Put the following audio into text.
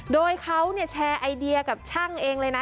โดยเขาแชร์ไอเดียกับช่างเองเลยนะ